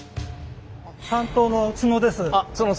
担当の津野です。